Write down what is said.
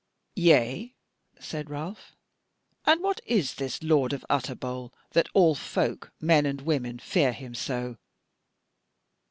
"Yea," said Ralph, "and what is this lord of Utterbol that all folk, men and women, fear him so?"